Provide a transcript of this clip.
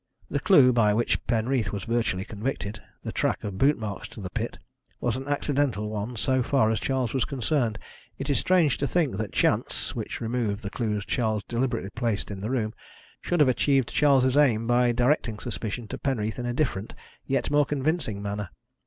"The clue by which Penreath was virtually convicted the track of bootmarks to the pit was an accidental one so far as Charles was concerned. It is strange to think that Chance, which removed the clues Charles deliberately placed in the room, should have achieved Charles' aim by directing suspicion to Penreath in a different, yet more convincing manner.